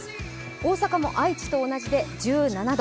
大阪も愛知と同じで１７度。